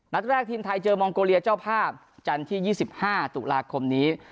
นัดแรกทีมไทยเจอมองโกเลียเจ้าภาพจันทร์ที่๒๕ตุลาคมนี้